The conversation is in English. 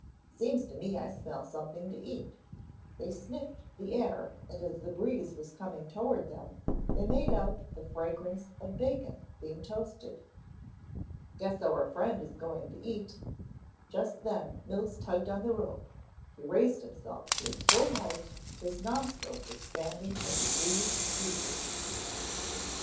Seems to me I smell something to eat " They sniffed the air and as the breeze was coming toward them they made out the fragrance of bacon being toasted. "Guess our friend is going to eat " Just then Mills tugged on the rope, he raised himself to his full height, his nostrils expanding as he breathed deeply.